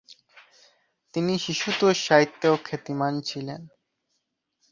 তিনি শিশুতোষ সাহিত্যেও খ্যাতিমান ছিলেন।